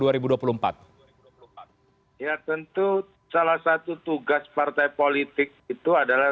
ya tentu salah satu tugas partai politik itu adalah